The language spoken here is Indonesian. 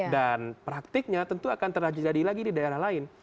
dan praktiknya tentu akan terjadi lagi di daerah lain